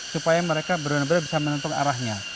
supaya mereka benar benar bisa menentukan arahnya